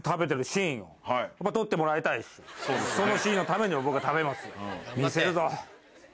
そのシーンのためにも僕は食べますよ。